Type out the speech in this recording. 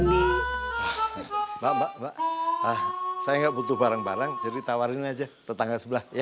mbak mbak mbak saya nggak butuh barang barang jadi tawarin aja tetangga sebelah ya